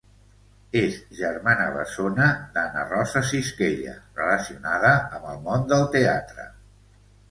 És germana bessona d'Anna Rosa Cisquella, relacionada amb el món del teatre.